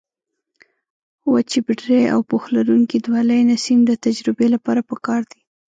وچې بټرۍ او پوښ لرونکي دوه لینه سیم د تجربې لپاره پکار دي.